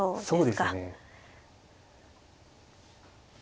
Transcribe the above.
そうですね。